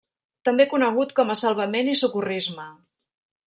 També conegut com a Salvament i socorrisme.